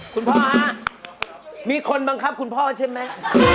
คุณพ่อฮะมีคนบังคับคุณพ่อใช่ไหม